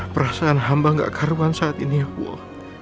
perasaan hamba gak karuan saat ini ya allah